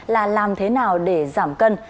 là làm thế nào để giảm cân